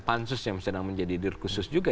pansus yang sedang menjadi dir khusus juga